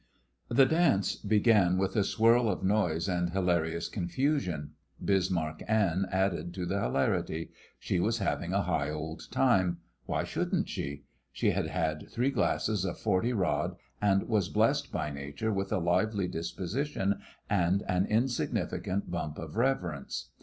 The dance began with a swirl of noise and hilarious confusion. Bismarck Anne added to the hilarity. She was having a high old time; why shouldn't she? She had had three glasses of forty rod, and was blessed by nature with a lively disposition and an insignificant bump of reverence.